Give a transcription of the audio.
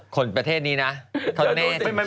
คนประเทศนี้นะเขาแน่จริง